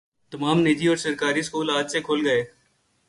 تمام نجی اور سرکاری اسکول آج سے کھل گئے